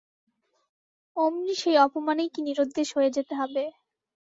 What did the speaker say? অমনি সেই অপমানেই কি নিরুদ্দেশ হয়ে যেতে হবে।